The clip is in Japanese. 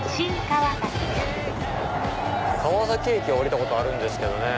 川崎駅は降りたことあるんですけどね。